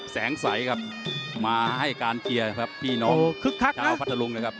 แสงใสครับมาให้การเชียร์ครับพี่น้องคึกคักชาวพัทธรุงนะครับ